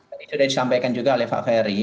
tadi sudah disampaikan juga oleh pak ferry